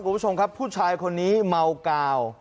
คุณผู้ชมครับผู้ชายคนนี้เมากาว